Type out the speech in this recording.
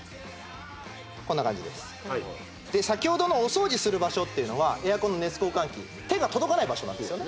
こんな感じですで先ほどのお掃除する場所っていうのはエアコンの熱交換器手が届かない場所なんですよね